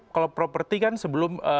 kalau properti kan sebelum